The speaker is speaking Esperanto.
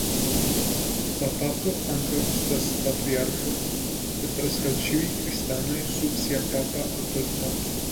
La papo ankaŭ estas patriarko de preskaŭ ĉiuj kristanoj sub sia papa aŭtoritato.